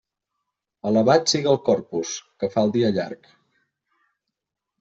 Alabat siga el Corpus, que fa el dia llarg.